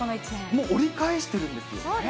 もう折り返してるんですよね。